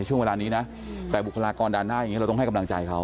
ช่วงเวลานี้นะแต่บุคลากรด่านหน้าอย่างนี้เราต้องให้กำลังใจเขา